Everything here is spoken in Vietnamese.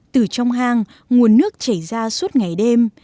từ trong hang nguồn nước chảy ra suốt ngày đêm